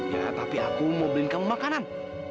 ya tapi aku mau beliin kamu makanan